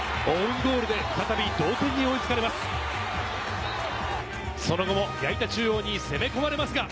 オウンゴールで再び同点に追いつかれます。